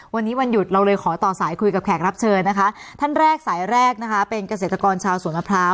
วันนี้วันหยุดเราเลยขอต่อสายคุยกับแขกรับเชิญนะคะท่านแรกสายแรกนะคะเป็นเกษตรกรชาวสวนมะพร้าว